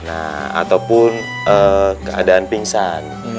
ataupun keadaan pingsan